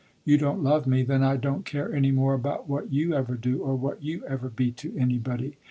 You don't love me, then I don't care any more about what you ever do or what you ever be to anybody.